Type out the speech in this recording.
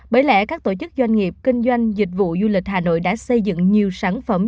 bởi lẽ các tổ chức doanh nghiệp kinh doanh dịch vụ du lịch hà nội đã xây dựng nhiều sản phẩm